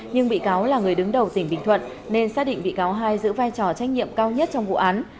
nhưng bị cáo là người đứng đầu tỉnh bình thuận nên xác định bị cáo hai giữ vai trò trách nhiệm cao nhất trong vụ án